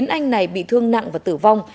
anh này bị thương nặng và tử vong